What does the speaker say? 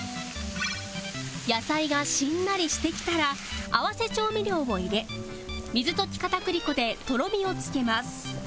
野菜がしんなりしてきたら合わせ調味料を入れ水溶き片栗粉でとろみを付けます